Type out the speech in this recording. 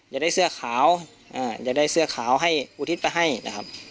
อยากได้เสื้อขาวอยากได้เสื้อขาวให้อุทิศไปให้นะครับ